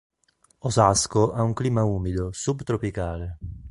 Osasco ha un clima umido, subtropicale.